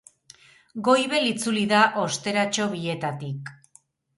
Goibel itzuli da osteratxo bietatik.